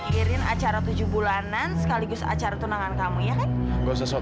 perambilan nya ada mbak